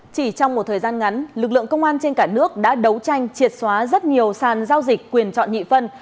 chỉ trong một thời gian ngắn lực lượng công an trên cả nước đã đấu tranh triệt xóa rất nhiều sàn giao dịch quyền chọn nhị phân